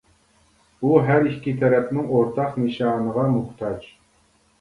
ئۇ ھەر ئىككى تەرەپنىڭ ئورتاق نىشانىغا موھتاج.